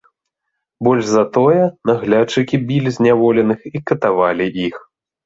Больш за тое, наглядчыкі білі зняволеных і катавалі іх.